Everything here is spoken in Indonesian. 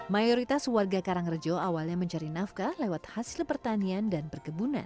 mayoritas warga karangrejo awalnya mencari nafkah lewat hasil pertanian dan perkebunan